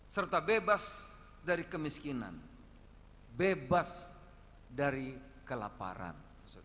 serta bebas dari kemiskinan bebas dari kelaparan